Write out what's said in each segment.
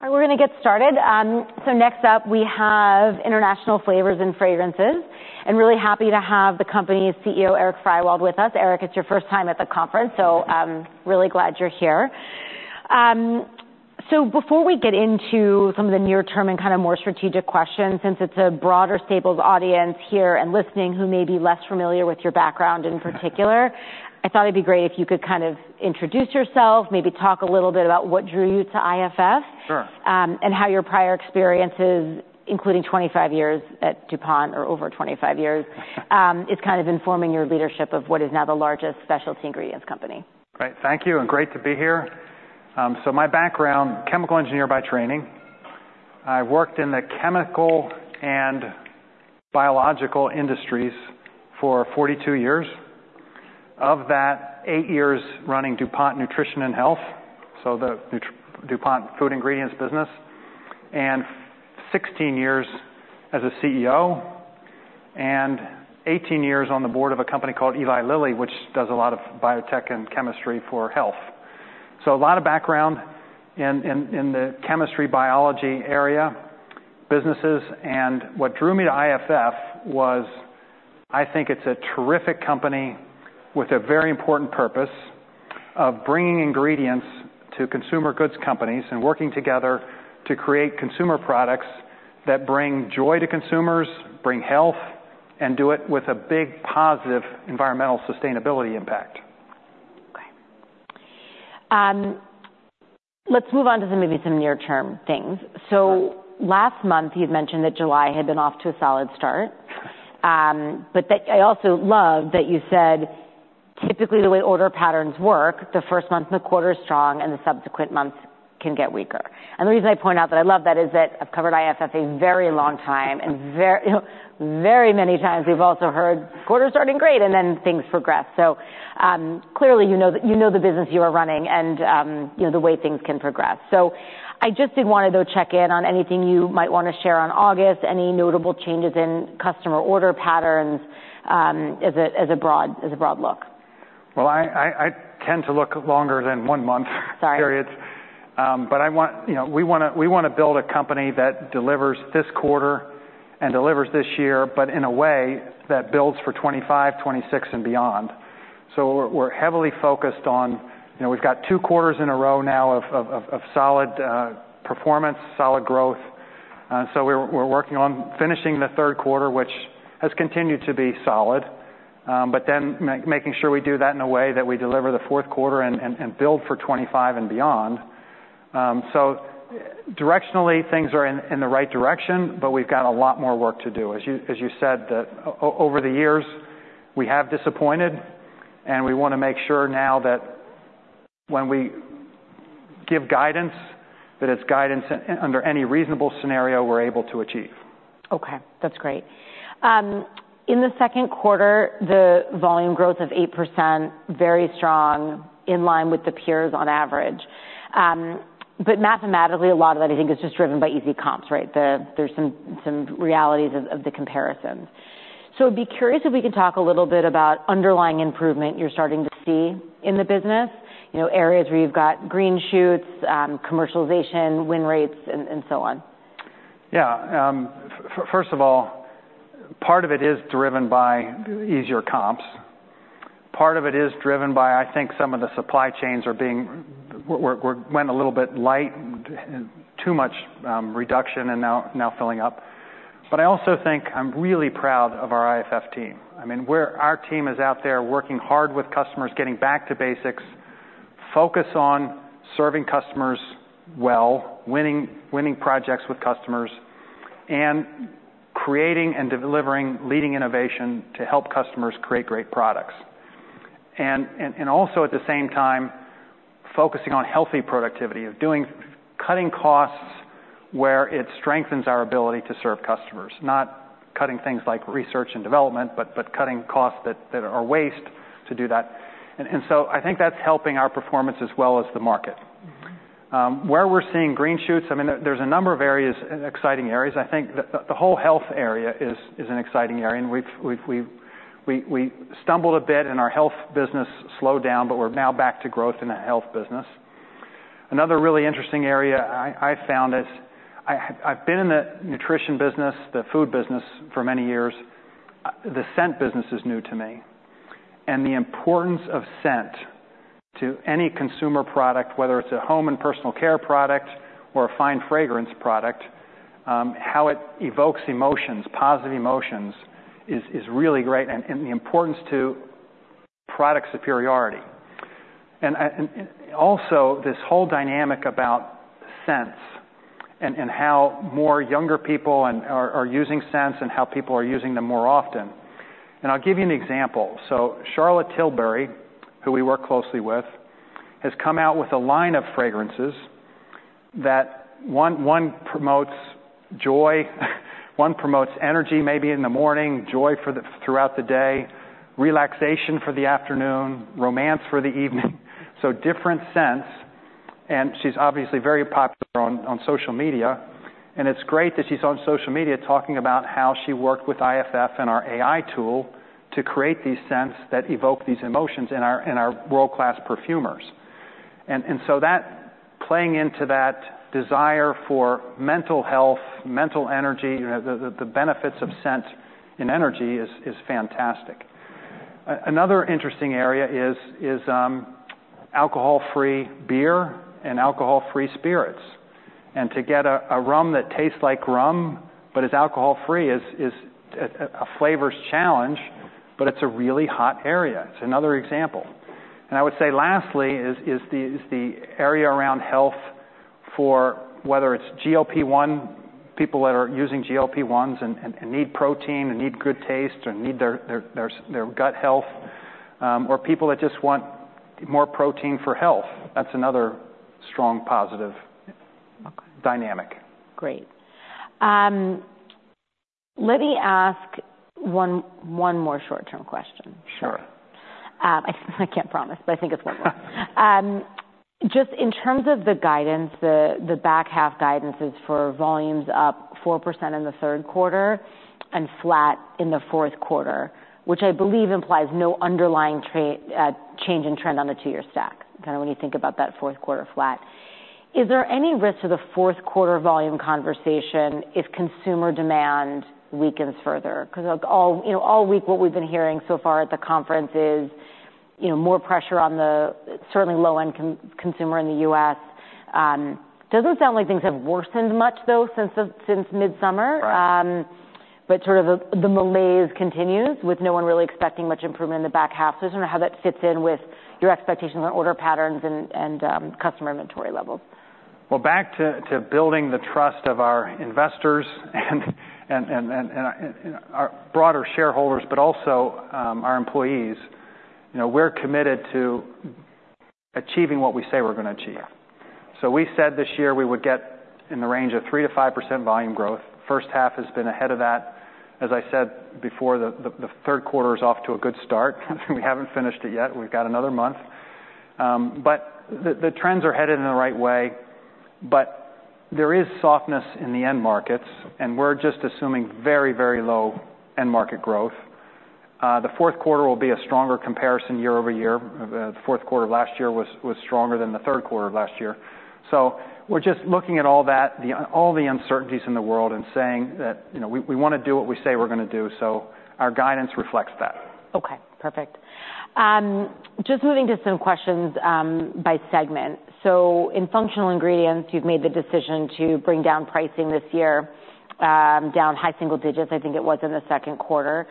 We're gonna get started, so next up, we have International Flavors and Fragrances, and really happy to have the company's CEO, Erik Fyrwald, with us. Erik, it's your first time at the conference, so really glad you're here, so before we get into some of the near-term and kind of more strategic questions, since it's a broader staples audience here and listening who may be less familiar with your background in particular, I thought it'd be great if you could kind of introduce yourself, maybe talk a little bit about what drew you to IFF. Sure. And how your prior experiences, including 25 years at DuPont, or over 25 years, is kind of informing your leadership of what is now the largest specialty ingredients company? Great. Thank you, and great to be here. My background, chemical engineer by training. I worked in the chemical and biological industries for 42 years. Of that, eight years running DuPont Nutrition and Health, so the DuPont Food Ingredients business, and 16 years as a CEO, and 18 years on the board of a company called Eli Lilly, which does a lot of biotech and chemistry for health. A lot of background in the chemistry, biology area, businesses. What drew me to IFF was, I think it's a terrific company with a very important purpose of bringing ingredients to consumer goods companies and working together to create consumer products that bring joy to consumers, bring health, and do it with a big, positive environmental sustainability impact. Great. Let's move on to the maybe some near-term things. Sure. So last month, you'd mentioned that July had been off to a solid start. But that I also loved that you said, "Typically, the way order patterns work, the first month in the quarter is strong, and the subsequent months can get weaker." And the reason I point out that I love that is that I've covered IFF a very long time, and very, you know, very many times we've also heard, "Quarter's starting great," and then things progress. So, clearly, you know the business you are running and, you know, the way things can progress. So I just did wanna, though, check in on anything you might wanna share on August, any notable changes in customer order patterns, as a broad look? I tend to look longer than one month- Sorry... periods. But I want... You know, we wanna build a company that delivers this quarter and delivers this year, but in a way that builds for 2025, 2026, and beyond. So we're heavily focused on. You know, we've got two quarters in a row now of solid performance, solid growth. So we're working on finishing the third quarter, which has continued to be solid, but then making sure we do that in a way that we deliver the fourth quarter and build for 2025 and beyond. So directionally, things are in the right direction, but we've got a lot more work to do. As you said, that over the years, we have disappointed, and we wanna make sure now that when we give guidance, that it's guidance under any reasonable scenario we're able to achieve. Okay, that's great. In the second quarter, the volume growth of 8%, very strong, in line with the peers on average. But mathematically, a lot of that, I think, is just driven by easy comps, right? There's some realities of the comparisons. So I'd be curious if we could talk a little bit about underlying improvement you're starting to see in the business, you know, areas where you've got green shoots, commercialization, win rates, and so on. Yeah. First of all, part of it is driven by easier comps. Part of it is driven by, I think, some of the supply chains are being... We're went a little bit light and too much reduction and now filling up. But I also think I'm really proud of our IFF team. I mean, we're-- our team is out there working hard with customers, getting back to basics, focus on serving customers well, winning projects with customers, and creating and delivering leading innovation to help customers create great products. And also, at the same time, focusing on healthy productivity, of doing-- cutting costs where it strengthens our ability to serve customers, not cutting things like research and development, but cutting costs that are waste to do that. And so I think that's helping our performance as well as the market. Mm-hmm. Where we're seeing green shoots, I mean, there's a number of areas, exciting areas. I think the whole health area is an exciting area, and we've stumbled a bit, and our health business slowed down, but we're now back to growth in the health business. Another really interesting area I found is I've been in the nutrition business, the food business, for many years. The scent business is new to me, and the importance of scent to any consumer product, whether it's a home and personal care product or a fine fragrance product, how it evokes emotions, positive emotions, is really great, and the importance to product superiority. Also this whole dynamic about scents and how more younger people and... are using scents and how people are using them more often, and I'll give you an example. Charlotte Tilbury, who we work closely with, has come out with a line of fragrances that one promotes joy, one promotes energy, maybe in the morning, joy throughout the day, relaxation for the afternoon, romance for the evening, so different scents, and she's obviously very popular on social media. It's great that she's on social media talking about how she worked with IFF and our AI tool to create these scents that evoke these emotions in our world-class perfumers, and so that, playing into that desire for mental health, mental energy, you know, the benefits of scent in energy is fantastic. Another interesting area is alcohol-free beer and alcohol-free spirits. And to get a rum that tastes like rum but is alcohol-free is a flavors challenge, but it's a really hot area. It's another example. And I would say lastly is the area around health for whether it's GLP-1, people that are using GLP-1s and need protein and need good taste or need their gut health, or people that just want more protein for health. That's another strong positive dynamic. Great. Let me ask one more short-term question. Sure. Sure. I can't promise, but I think it's one more. Just in terms of the guidance, the back half guidance is for volumes up 4% in the third quarter and flat in the fourth quarter, which I believe implies no underlying change in trend on a two-year stack, kind of when you think about that fourth quarter flat. Is there any risk to the fourth quarter volume conversation if consumer demand weakens further? 'Cause like, all week, what we've been hearing so far at the conference is, you know, more pressure on the certainly low-end consumer in the U.S. Doesn't sound like things have worsened much, though, since midsummer. Right. But sort of the malaise continues, with no one really expecting much improvement in the back half. So I don't know how that fits in with your expectations on order patterns and customer inventory levels. Back to building the trust of our investors and our broader shareholders, but also our employees, you know, we're committed to achieving what we say we're gonna achieve. So we said this year we would get in the range of 3%-5% volume growth. First half has been ahead of that. As I said before, the third quarter is off to a good start. We haven't finished it yet. We've got another month. But the trends are headed in the right way, but there is softness in the end markets, and we're just assuming very low end market growth. The fourth quarter will be a stronger comparison year-over-year. The fourth quarter of last year was stronger than the third quarter of last year. So we're just looking at all that, all the uncertainties in the world and saying that, you know, we wanna do what we say we're gonna do, so our guidance reflects that. Okay, perfect. Just moving to some questions by segment. So in functional ingredients, you've made the decision to bring down pricing this year, down high single digits, I think it was, in the second quarter.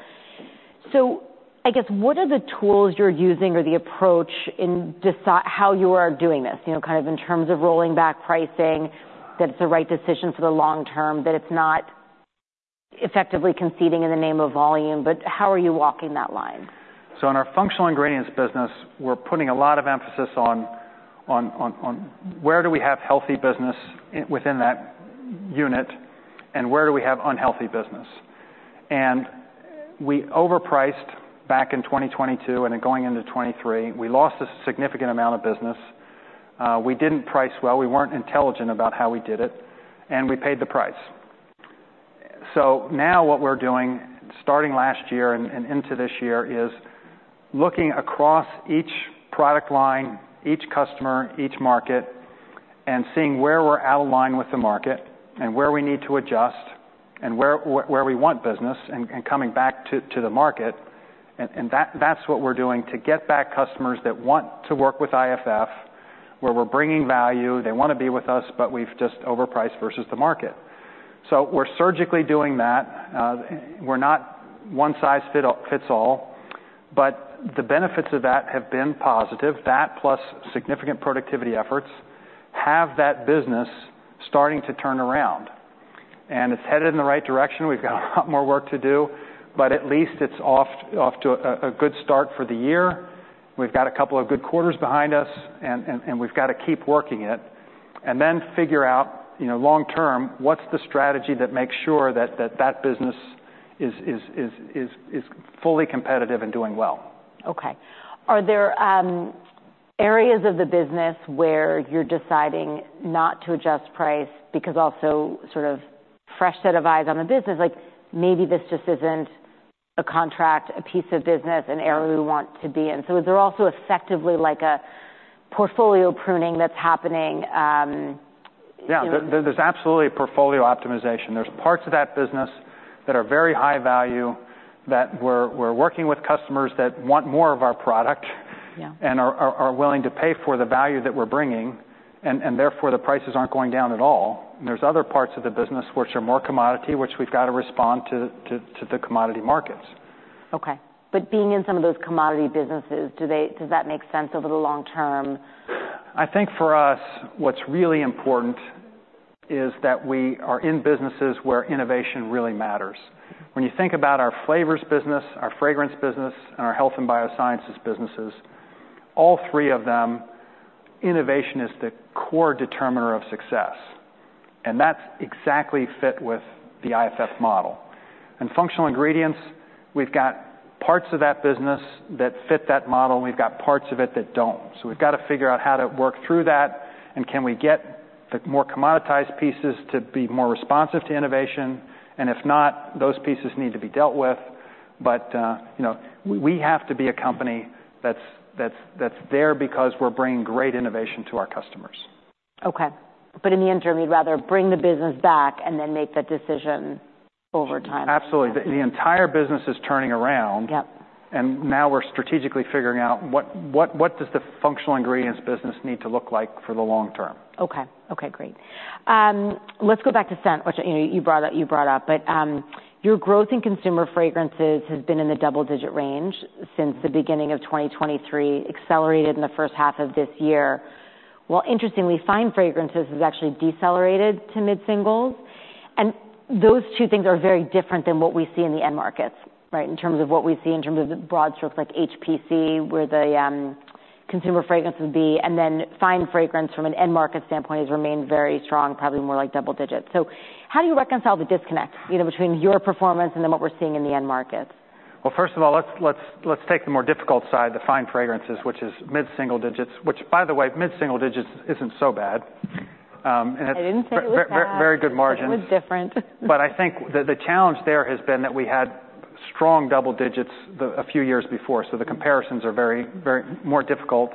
So I guess, what are the tools you're using or the approach in deciding how you are doing this? You know, kind of in terms of rolling back pricing, that it's the right decision for the long term, that it's not effectively conceding in the name of volume, but how are you walking that line? So in our functional ingredients business, we're putting a lot of emphasis on where do we have healthy business within that unit, and where do we have unhealthy business? And we overpriced back in 2022, and then going into 2023, we lost a significant amount of business. We didn't price well, we weren't intelligent about how we did it, and we paid the price. So now what we're doing, starting last year and into this year, is looking across each product line, each customer, each market, and seeing where we're out of line with the market and where we need to adjust, and where we want business, and coming back to the market. That's what we're doing to get back customers that want to work with IFF, where we're bringing value. They wanna be with us, but we've just overpriced versus the market. So we're surgically doing that. We're not one size fits all, but the benefits of that have been positive. That, plus significant productivity efforts, have that business starting to turn around, and it's headed in the right direction. We've got a lot more work to do, but at least it's off to a good start for the year. We've got a couple of good quarters behind us, and we've got to keep working it and then figure out, you know, long term, what's the strategy that makes sure that that business is fully competitive and doing well? Okay. Are there, areas of the business where you're deciding not to adjust price because also sort of fresh set of eyes on the business, like, maybe this just isn't a contract, a piece of business, an area we want to be in? So is there also effectively like a portfolio pruning that's happening, Yeah. You know? There, there's absolutely a portfolio optimization. There's parts of that business that are very high value, that we're working with customers that want more of our product - Yeah... and are willing to pay for the value that we're bringing, and therefore, the prices aren't going down at all. And there's other parts of the business which are more commodity, which we've got to respond to the commodity markets. Okay. But being in some of those commodity businesses, does that make sense over the long term? I think for us, what's really important is that we are in businesses where innovation really matters. When you think about our flavors business, our fragrance business, and our health and biosciences businesses, all three of them, innovation is the core determiner of success, and that's exactly fit with the IFF model... and functional ingredients, we've got parts of that business that fit that model, and we've got parts of it that don't. So we've got to figure out how to work through that, and can we get the more commoditized pieces to be more responsive to innovation? And if not, those pieces need to be dealt with. But, you know, we have to be a company that's there because we're bringing great innovation to our customers. Okay. But in the interim, you'd rather bring the business back and then make the decision over time? Absolutely. The entire business is turning around. Yep. Now we're strategically figuring out what does the functional ingredients business need to look like for the long term? Okay. Okay, great. Let's go back to scent, which, you know, you brought up, you brought up. But, your growth in consumer fragrances has been in the double-digit range since the beginning of 2023, accelerated in the first half of this year. While interestingly, fine fragrances has actually decelerated to mid-singles, and those two things are very different than what we see in the end markets, right? In terms of what we see in terms of the broad strokes, like HPC, where the consumer fragrance would be, and then fine fragrance from an end market standpoint has remained very strong, probably more like double digits. So how do you reconcile the disconnect, you know, between your performance and then what we're seeing in the end markets? First of all, let's take the more difficult side, the fine fragrances, which is mid-single digits, which, by the way, mid-single digits isn't so bad, and it- I didn't say it was bad. Very good margins. It was different. But I think the challenge there has been that we had strong double digits a few years before, so the comparisons are very, very more difficult.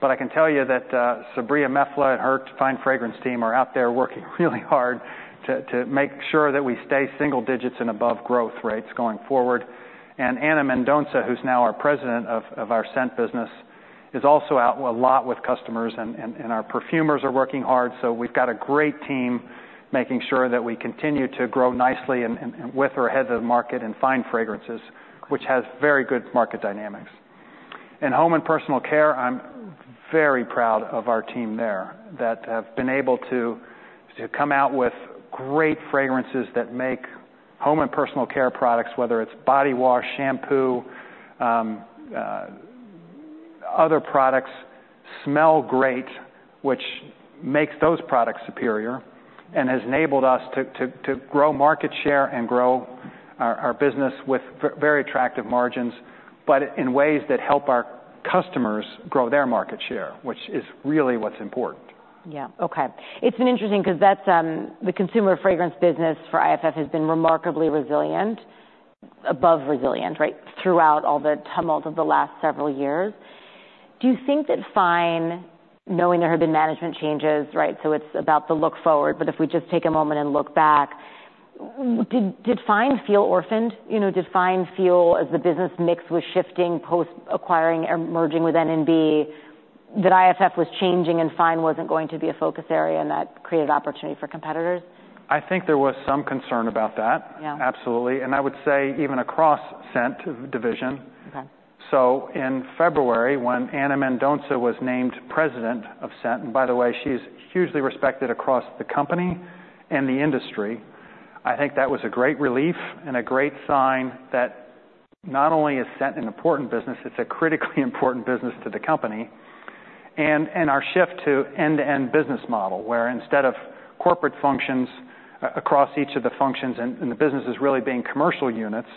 But I can tell you that Sabrya Meflah and her fine fragrance team are out there working really hard to make sure that we stay single digits and above growth rates going forward. And Ana Mendonça, who's now our president of our scent business, is also out a lot with customers, and our perfumers are working hard. So we've got a great team making sure that we continue to grow nicely and with or ahead of the market in fine fragrances, which has very good market dynamics. In home and personal care, I'm very proud of our team there that have been able to come out with great fragrances that make home and personal care products, whether it's body wash, shampoo, other products, smell great, which makes those products superior and has enabled us to grow market share and grow our business with very attractive margins, but in ways that help our customers grow their market share, which is really what's important. Yeah. Okay. It's been interesting because that's the consumer fragrance business for IFF has been remarkably resilient, above resilient, right, throughout all the tumult of the last several years. Do you think that fine, knowing there have been management changes, right, so it's about the look forward, but if we just take a moment and look back, did fine feel orphaned? You know, did fine feel as the business mix was shifting post acquiring or merging with N&B, that IFF was changing and fine wasn't going to be a focus area, and that created opportunity for competitors? I think there was some concern about that. Yeah. Absolutely, and I would say even across scent division. Okay. So in February, when Ana Mendonça was named president of Scent, and by the way, she's hugely respected across the company and the industry, I think that was a great relief and a great sign that not only is Scent an important business, it's a critically important business to the company. And our shift to end-to-end business model, where instead of corporate functions across each of the functions and the businesses really being commercial units,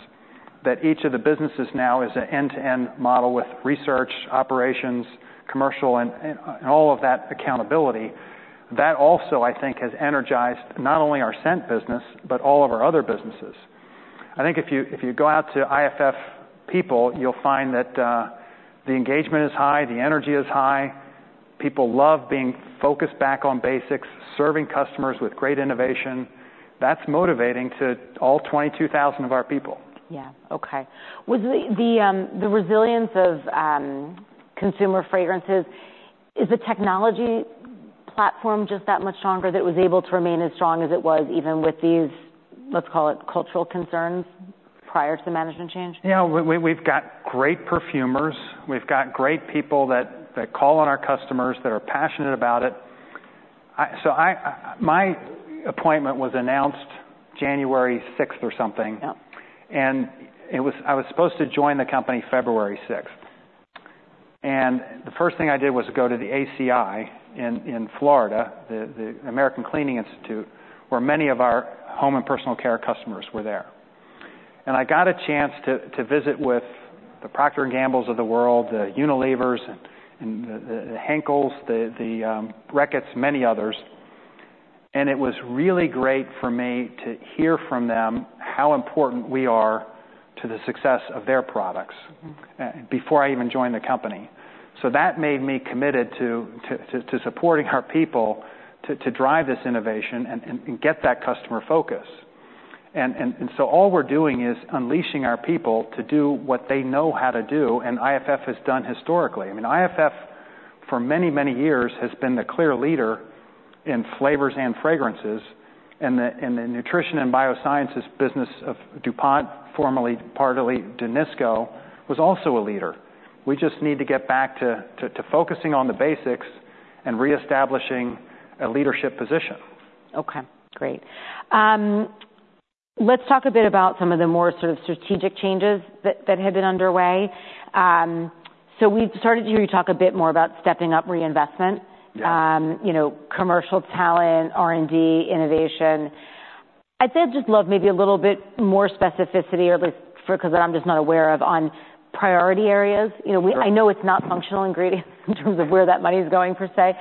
that each of the businesses now is an end-to-end model with research, operations, commercial, and all of that accountability. That also, I think, has energized not only our Scent business, but all of our other businesses. I think if you go out to IFF people, you'll find that the engagement is high, the energy is high. People love being focused back on basics, serving customers with great innovation. That's motivating to all twenty-two thousand of our people. Yeah. Okay. Was the resilience of consumer fragrances, is the technology platform just that much stronger than it was able to remain as strong as it was, even with these, let's call it, cultural concerns prior to the management change? Yeah, we've got great perfumers. We've got great people that call on our customers that are passionate about it. My appointment was announced January sixth or something. Yep. I was supposed to join the company February sixth. The first thing I did was go to the ACI in Florida, the American Cleaning Institute, where many of our home and personal care customers were there. I got a chance to visit with the Procter & Gambles of the world, the Unilevers, and the Reckitts, many others. It was really great for me to hear from them how important we are to the success of their products. Mm-hmm. Before I even joined the company, so that made me committed to supporting our people to drive this innovation and get that customer focus, and so all we're doing is unleashing our people to do what they know how to do, and IFF has done historically. I mean, IFF, for many, many years, has been the clear leader in flavors and fragrances, and the nutrition and biosciences business of DuPont, formerly partly NNB, was also a leader. We just need to get back to focusing on the basics and reestablishing a leadership position. Okay, great. Let's talk a bit about some of the more sort of strategic changes that have been underway, so we've started to hear you talk a bit more about stepping up reinvestment. Yeah. You know, commercial talent, R&D, innovation. I'd say I'd just love maybe a little bit more specificity or the, for, because I'm just not aware of, on priority areas. You know, I know it's not functional ingredients in terms of where that money is going, per se.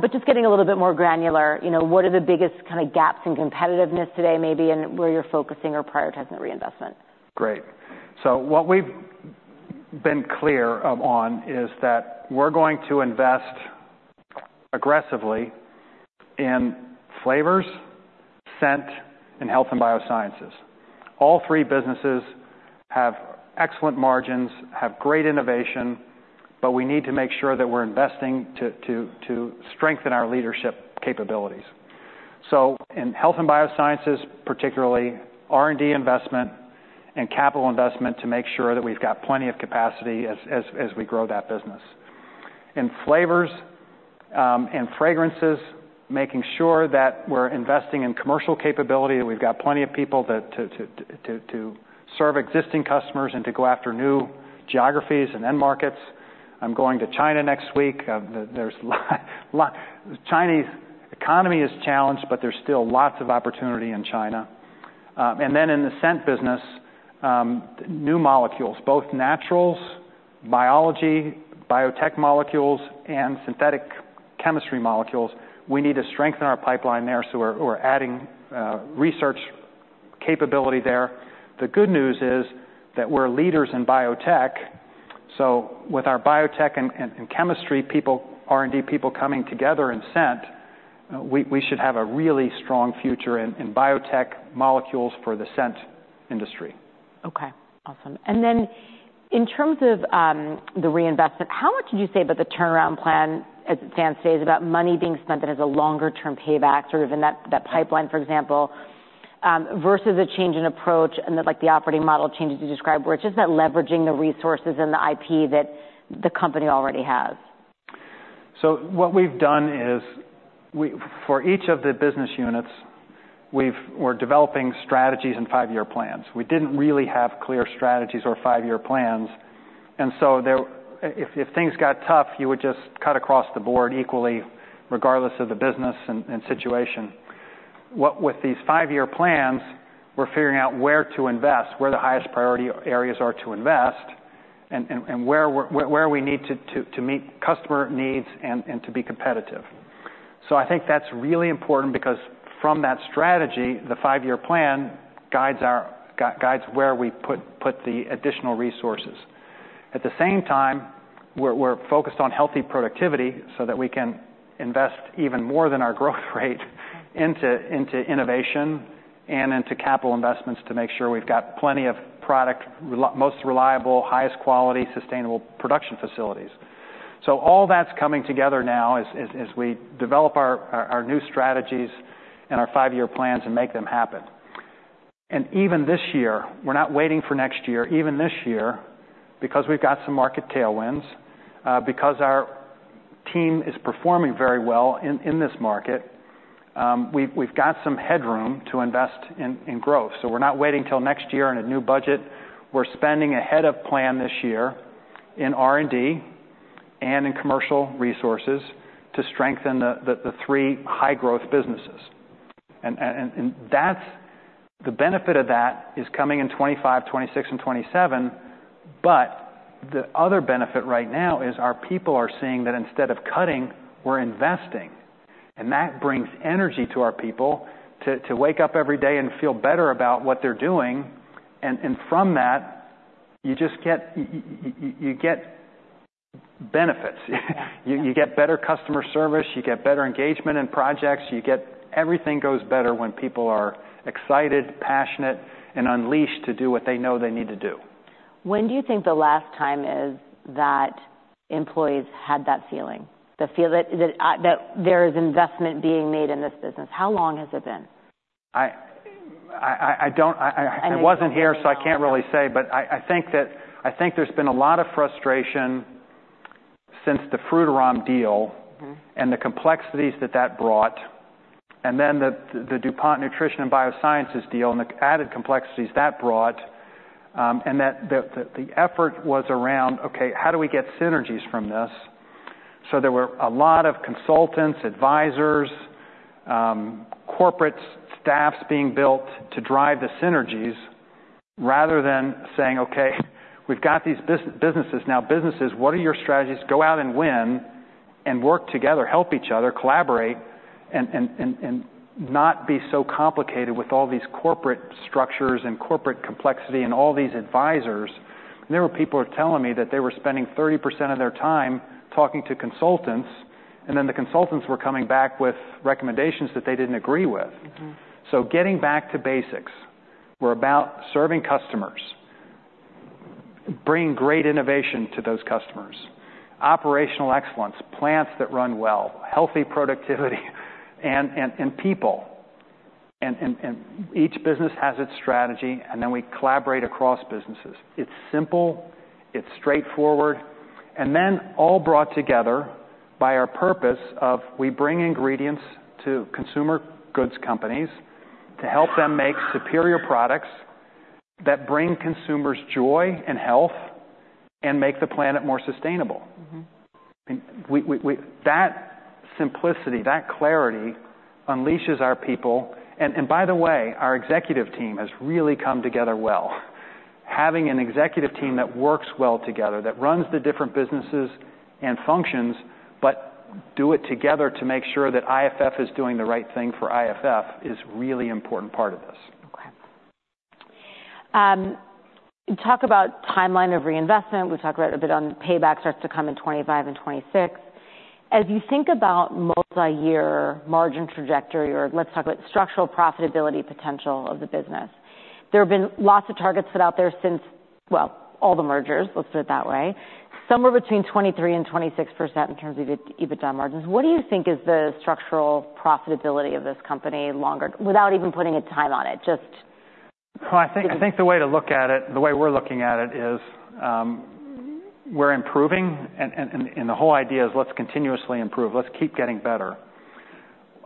But just getting a little bit more granular, you know, what are the biggest kind of gaps in competitiveness today, maybe, and where you're focusing or prioritizing the reinvestment? Great. So what we've been clear on is that we're going to invest aggressively in flavors, scent, and health and biosciences. All three businesses have excellent margins, have great innovation, but we need to make sure that we're investing to strengthen our leadership capabilities. So in health and biosciences, particularly, R&D investment and capital investment to make sure that we've got plenty of capacity as we grow that business. In flavors and fragrances, making sure that we're investing in commercial capability, and we've got plenty of people to serve existing customers and to go after new geographies and end markets. I'm going to China next week. The Chinese economy is challenged, but there's still lots of opportunity in China. And then in the scent business, new molecules, both naturals, biology, biotech molecules, and synthetic chemistry molecules. We need to strengthen our pipeline there, so we're adding research capability there. The good news is that we're leaders in biotech, so with our biotech and chemistry people, R&D people coming together in scent, we should have a really strong future in biotech molecules for the scent industry. Okay. Awesome. And then in terms of the reinvestment, how much would you say about the turnaround plan, as it stands today, is about money being spent that has a longer-term payback, sort of, in that, that pipeline, for example, versus a change in approach and the, like, the operating model changes you described, where it's just that leveraging the resources and the IP that the company already has? So what we've done is we're developing strategies and five-year plans for each of the business units. We didn't really have clear strategies or five-year plans, and so if things got tough, you would just cut across the board equally, regardless of the business and situation. With these five-year plans, we're figuring out where to invest, where the highest priority areas are to invest, and where we need to meet customer needs and to be competitive. So I think that's really important because from that strategy, the five-year plan guides where we put the additional resources. At the same time, we're focused on healthy productivity so that we can invest even more than our growth rate into innovation and into capital investments to make sure we've got plenty of product, most reliable, highest quality, sustainable production facilities. So all that's coming together now as we develop our new strategies and our five-year plans and make them happen. And even this year, we're not waiting for next year. Even this year, because we've got some market tailwinds, because our team is performing very well in this market, we've got some headroom to invest in growth. So we're not waiting till next year in a new budget. We're spending ahead of plan this year in R&D and in commercial resources to strengthen the three high-growth businesses. That's the benefit of that is coming in 2025, 2026, and 2027, but the other benefit right now is our people are seeing that instead of cutting, we're investing, and that brings energy to our people to wake up every day and feel better about what they're doing, and from that, you just get benefits. Yeah. You get better customer service. You get better engagement in projects. You get... everything goes better when people are excited, passionate, and unleashed to do what they know they need to do. When do you think the last time is that employees had that feeling? The feeling that that there is investment being made in this business. How long has it been? I don't I mean-... I wasn't here, so I can't really say, but I think there's been a lot of frustration since the Frutarom deal- Mm-hmm. and the complexities that that brought, and then the DuPont Nutrition & Biosciences deal and the added complexities that brought, and that the effort was around, okay, how do we get synergies from this? So there were a lot of consultants, advisors, corporate staffs being built to drive the synergies, rather than saying, "Okay, we've got these businesses. Now, businesses, what are your strategies? Go out and win and work together, help each other, collaborate, and not be so complicated with all these corporate structures and corporate complexity and all these advisors." There were people who were telling me that they were spending 30% of their time talking to consultants, and then the consultants were coming back with recommendations that they didn't agree with. Mm-hmm. So getting back to basics, we're about serving customers, bringing great innovation to those customers, operational excellence, plants that run well, healthy productivity, and people. Each business has its strategy, and then we collaborate across businesses. It's simple, it's straightforward, and then all brought together by our purpose of we bring ingredients to consumer goods companies to help them make superior products that bring consumers joy and health, and make the planet more sustainable. Mm-hmm. That simplicity, that clarity unleashes our people. By the way, our executive team has really come together well. Having an executive team that works well together, that runs the different businesses and functions, but do it together to make sure that IFF is doing the right thing for IFF, is really important part of this. Okay. You talk about timeline of reinvestment. We talk about a bit on payback starts to come in 2025 and 2026. As you think about multiyear margin trajectory, or let's talk about structural profitability potential of the business, there have been lots of targets set out there since, well, all the mergers, let's put it that way, somewhere between 23% and 26% in terms of EBITDA margins. What do you think is the structural profitability of this company longer- without even putting a time on it, just- I think the way to look at it, the way we're looking at it is, we're improving, and the whole idea is let's continuously improve. Let's keep getting better.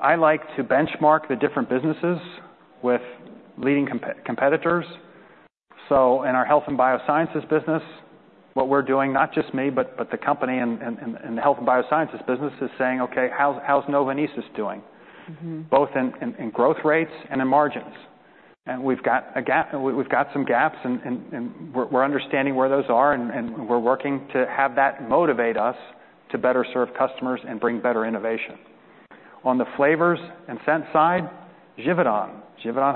I like to benchmark the different businesses with leading competitors. So in our health and biosciences business, what we're doing, not just me, but the company and the health and biosciences business, is saying: Okay, how's Novonesis doing? Mm-hmm. Both in growth rates and in margins. And we've got some gaps, and we're understanding where those are, and we're working to have that motivate us to better serve customers and bring better innovation. On the flavors and scent side, Givaudan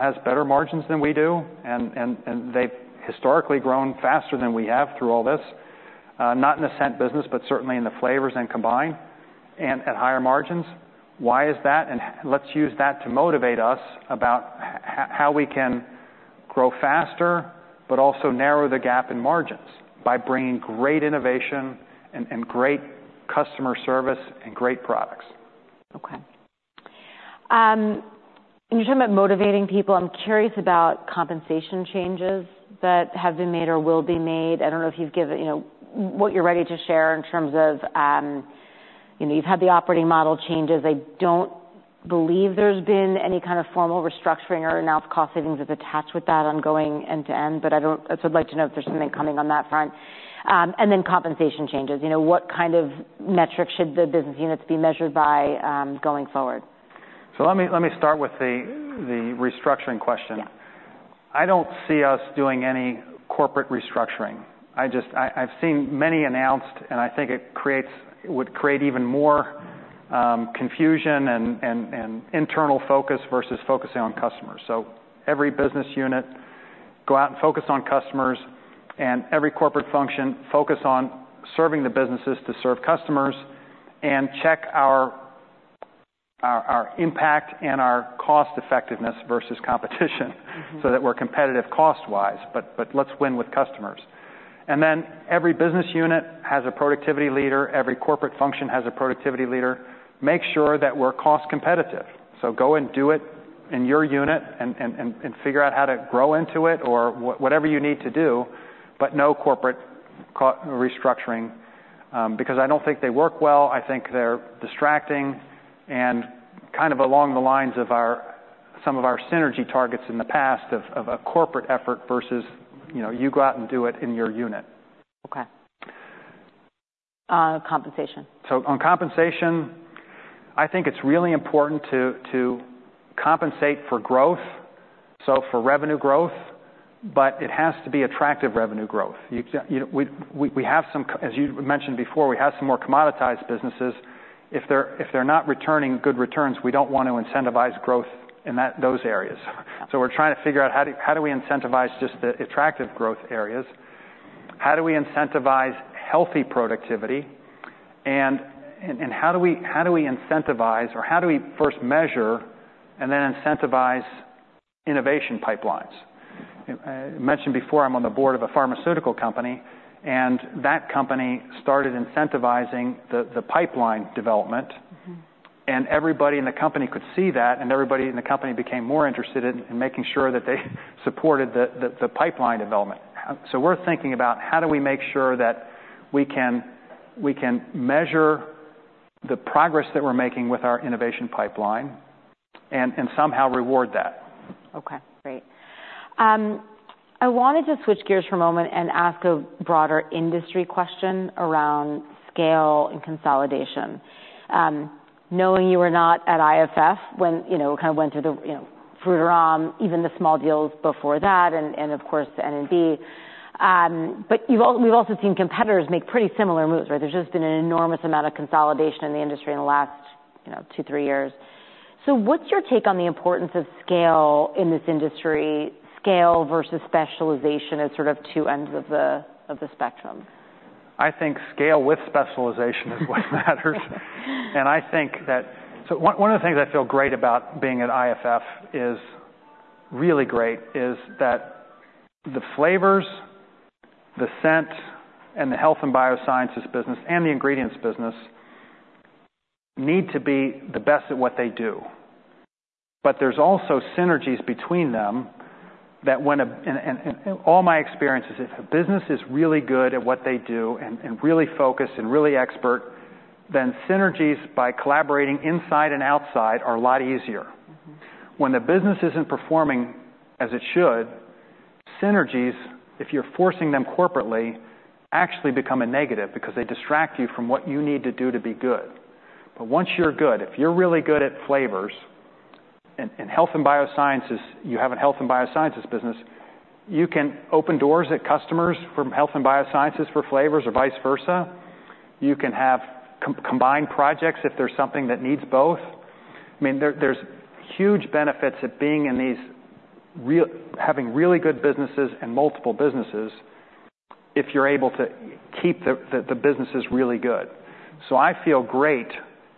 has better margins than we do, and they've historically grown faster than we have through all this, not in the scent business, but certainly in the flavors and combined, and at higher margins. Why is that? And let's use that to motivate us about how we can grow faster, but also narrow the gap in margins by bringing great innovation and great customer service and great products. Okay. When you're talking about motivating people, I'm curious about compensation changes that have been made or will be made. I don't know if you've given... You know, what you're ready to share in terms of, you know, you've had the operating model changes. I don't believe there's been any kind of formal restructuring or announced cost savings that's attached with that ongoing end-to-end, but I'd like to know if there's something coming on that front, and then compensation changes. You know, what kind of metrics should the business units be measured by, going forward? So let me start with the restructuring question. Yeah. I don't see us doing any corporate restructuring. I just, I've seen many announced, and I think it would create even more confusion and internal focus versus focusing on customers. So every business unit, go out and focus on customers, and every corporate function, focus on serving the businesses to serve customers and check our impact and our cost effectiveness versus competition. Mm-hmm. So that we're competitive cost-wise, but let's win with customers, and then every business unit has a productivity leader. Every corporate function has a productivity leader. Make sure that we're cost competitive, so go and do it in your unit and figure out how to grow into it or whatever you need to do, but no corporate restructuring, because I don't think they work well. I think they're distracting, and kind of along the lines of some of our synergy targets in the past of a corporate effort versus, you know, you go out and do it in your unit. Okay. Compensation? So on compensation, I think it's really important to compensate for growth, so for revenue growth, but it has to be attractive revenue growth. You know, as you mentioned before, we have some more commoditized businesses. If they're not returning good returns, we don't want to incentivize growth in those areas. So we're trying to figure out how do we incentivize just the attractive growth areas? How do we incentivize healthy productivity? And how do we incentivize, or how do we first measure and then incentivize innovation pipelines? I mentioned before, I'm on the board of a pharmaceutical company, and that company started incentivizing the pipeline development. Mm-hmm. And everybody in the company could see that, and everybody in the company became more interested in making sure that they supported the pipeline development. So we're thinking about how do we make sure that we can measure the progress that we're making with our innovation pipeline and somehow reward that. Okay, great. I wanted to switch gears for a moment and ask a broader industry question around scale and consolidation. Knowing you were not at IFF when, you know, kind of went through the, you know, Frutarom, even the small deals before that and, and of course, N&B. But we've also seen competitors make pretty similar moves, right? There's just been an enormous amount of consolidation in the industry in the last, you know, two, three years. So what's your take on the importance of scale in this industry, scale versus specialization as sort of two ends of the, of the spectrum? I think scale with specialization is what matters, and I think that, so one of the things I feel great about being at IFF is, really great, is that the flavors, the scent, and the health and biosciences business, and the ingredients business need to be the best at what they do. But there's also synergies between them, and all my experience is, if a business is really good at what they do and really focused and really expert, then synergies by collaborating inside and outside are a lot easier. When the business isn't performing as it should, synergies, if you're forcing them corporately, actually become a negative because they distract you from what you need to do to be good. But once you're good, if you're really good at flavors and health and biosciences, you have a health and biosciences business, you can open doors at customers from health and biosciences for flavors or vice versa. You can have combined projects if there's something that needs both. I mean, there's huge benefits of being in these really good businesses and multiple businesses if you're able to keep the businesses really good. So I feel great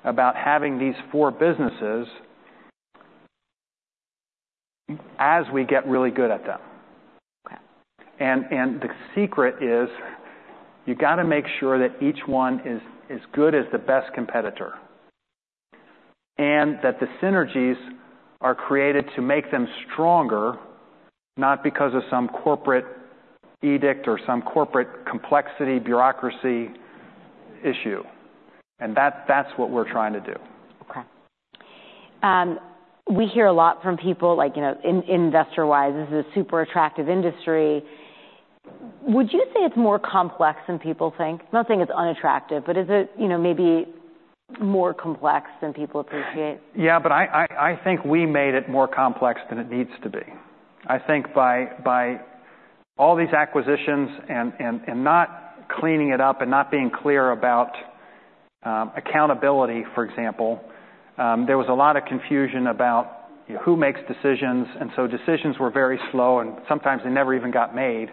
about having these four businesses as we get really good at them. And the secret is, you gotta make sure that each one is good as the best competitor, and that the synergies are created to make them stronger, not because of some corporate edict or some corporate complexity, bureaucracy issue. And that's what we're trying to do. Okay. We hear a lot from people, like, you know, investor-wise, this is a super attractive industry. Would you say it's more complex than people think? I'm not saying it's unattractive, but is it, you know, maybe more complex than people appreciate? Yeah, but I think we made it more complex than it needs to be. I think by all these acquisitions and not cleaning it up and not being clear about accountability, for example, there was a lot of confusion about, you know, who makes decisions, and so decisions were very slow, and sometimes they never even got made.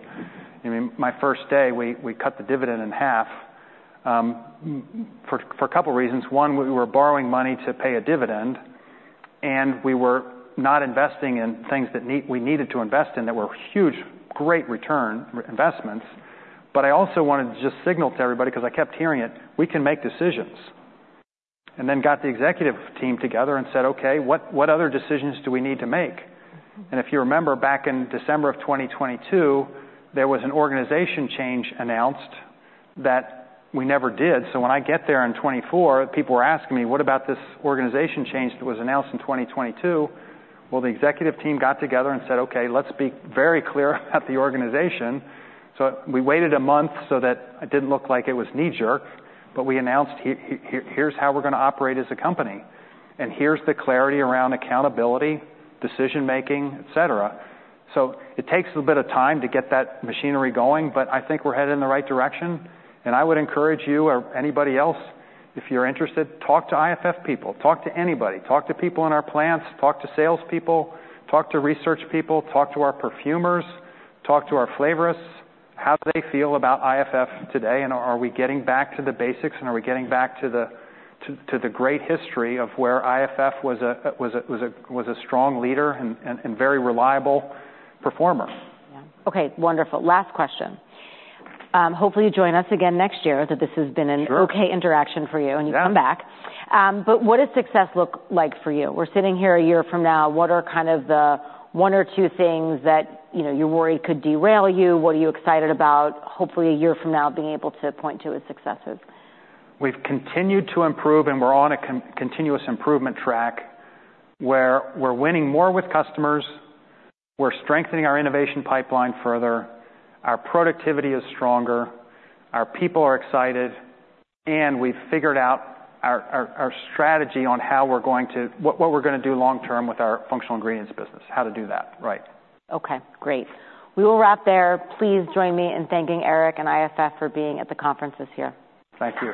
I mean, my first day, we cut the dividend in half, for a couple reasons. One, we were borrowing money to pay a dividend, and we were not investing in things that we needed to invest in that were huge, great return investments. But I also wanted to just signal to everybody, 'cause I kept hearing it, we can make decisions, and then got the executive team together and said: Okay, what other decisions do we need to make? And if you remember, back in December of 2022, there was an organization change announced that we never did. So when I get there in 2024, people were asking me: What about this organization change that was announced in 2022? Well, the executive team got together and said, "Okay, let's be very clear about the organization." So we waited a month so that it didn't look like it was knee-jerk, but we announced here, here's how we're gonna operate as a company, and here's the clarity around accountability, decision-making, et cetera. So it takes a little bit of time to get that machinery going, but I think we're headed in the right direction. I would encourage you or anybody else, if you're interested, talk to IFF people, talk to anybody, talk to people in our plants, talk to salespeople, talk to research people, talk to our perfumers, talk to our flavorists. How do they feel about IFF today, and are we getting back to the basics, and are we getting back to the great history of where IFF was a strong leader and very reliable performer? Yeah. Okay, wonderful. Last question. Hopefully, you join us again next year, that this has been- Sure. An okay interaction for you. Yeah. And you come back. But what does success look like for you? We're sitting here a year from now, what are kind of the one or two things that, you know, you're worried could derail you? What are you excited about, hopefully, a year from now, being able to point to as successes? We've continued to improve, and we're on a continuous improvement track, where we're winning more with customers, we're strengthening our innovation pipeline further, our productivity is stronger, our people are excited, and we've figured out our strategy on how we're going to what we're gonna do long term with our functional ingredients business, how to do that right. Okay, great. We will wrap there. Please join me in thanking Erik and IFF for being at the conference this year. Thank you.